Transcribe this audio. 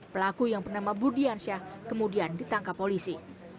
pelaku yang bernama budiansyah kemudian ditangkap polisi